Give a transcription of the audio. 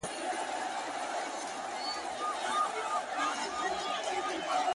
د پښو د څو نوکانو سر قلم دی خو ته نه يې!